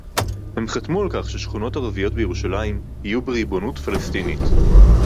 הם חתמו על כך ששכונות ערביות בירושלים יהיו בריבונות פלסטינית